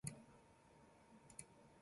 勘弁してください。